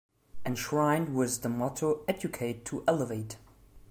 Enshrined with the motto "Educate to Elevate".